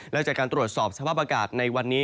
และจากการตรวจสอบสภาพอากาศในวันนี้